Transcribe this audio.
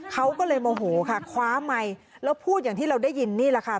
เขาก็เลยโมโหค่ะคว้าไมค์แล้วพูดอย่างที่เราได้ยินนี่แหละค่ะ